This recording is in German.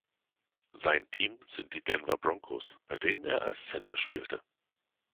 Sein Team sind die Denver Broncos, bei denen er als Center spielte.